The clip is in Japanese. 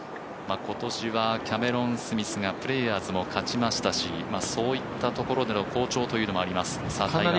今年はキャメロン・スミスがプレーヤーズも勝ちましたしそういったところでの好調というところもあります。